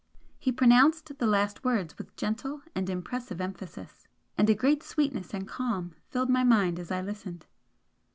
'" He pronounced the last words with gentle and impressive emphasis, and a great sweetness and calm filled my mind as I listened.